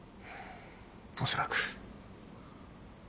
おそらく。